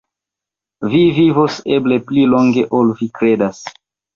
Vi vivos eble pli longe, ol vi kredas.